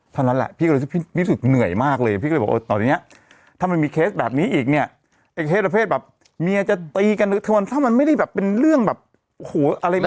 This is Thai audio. เท่านั้นแหละพี่ก็เลยรู้สึกเหนื่อยมากเลยพี่ก็เลยบอกว่าตอนนี้ถ้ามันมีเคสแบบนี้อีกเนี่ยไอ้เคสประเภทแบบเมียจะตีกันถ้ามันไม่ได้แบบเป็นเรื่องแบบโอ้โหอะไรแบบนี้